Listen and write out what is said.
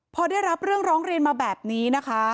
พอได้รับเรื่องร้องเรียนมาแบบนี้นะคะ